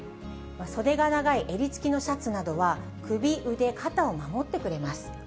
袖が長い襟付きのシャツなどは、首、腕、肩を守ってくれます。